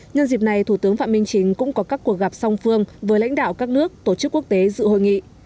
nhân dịp này thủ tướng phạm minh chính cũng có các cuộc gặp song phương với lãnh đạo các nước tổ chức quốc tế dự hội nghị